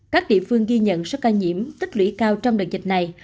các địa phương ghi nhận số ca nhiễm tích lũy cao trong đợt dịch này